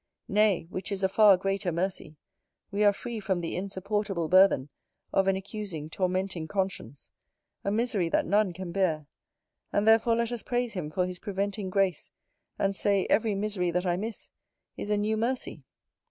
Nay, which is a far greater mercy, we are free from the insupportable burthen of an accusing tormenting conscience; a misery that none can bear: and therefore let us praise Him for His preventing grace, and say, Every misery that I miss is a new mercy.